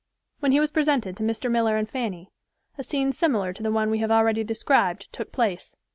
When he was presented to Mr. Miller and Fanny, a scene similar to the one we have already described took place.